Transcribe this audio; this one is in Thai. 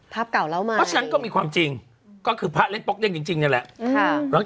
เพราะฉันก็มีความจริงก็คือพระเล็กป๊อกเลี่ยงจริงนี่แหละ